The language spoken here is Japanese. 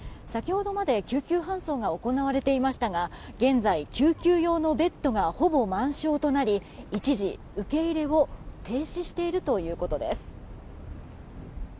先ほどまで救急搬送が行われていましたが現在、救急用のベッドがほぼ満床となり一時、受け入れを停止しているということです。